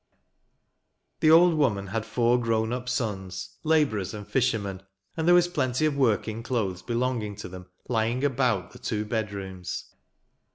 The old woman had four grown up sons, labourers and fishermen ; and there was plenty of working clothes belonging to them, lying about the two bedrooms.